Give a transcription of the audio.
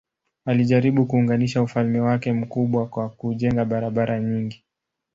Alijaribu kuunganisha ufalme wake mkubwa kwa kujenga barabara nyingi.